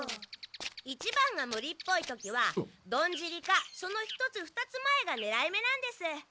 いちばんがムリっぽい時はどんじりかその１つ２つ前がねらい目なんです。